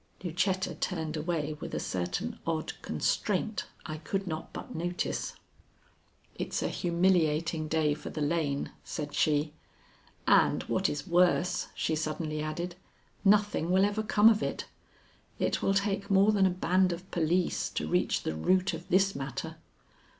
Lucetta turned away with a certain odd constraint I could not but notice. "It's a humiliating day for the lane," said she. "And what is worse," she suddenly added, "nothing will ever come of it. It will take more than a band of police to reach the root of this matter."